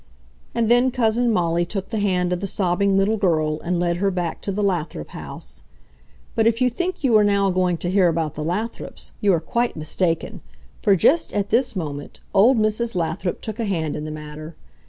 And then Cousin Molly took the hand of the sobbing little girl and led her back to the Lathrop house. But if you think you are now going to hear about the Lathrops, you are quite mistaken, for just at this moment old Mrs. Lathrop took a hand in the matter.